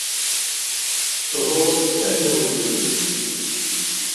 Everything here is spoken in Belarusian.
То бок, як-небудзь выкруцімся.